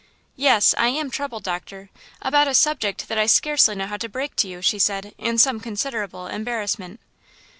"Yes, I am troubled, doctor, about a subject that I scarcely know how to break to you," she said, in some considerable embarrassment.